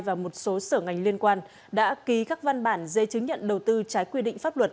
và một số sở ngành liên quan đã ký các văn bản dây chứng nhận đầu tư trái quy định pháp luật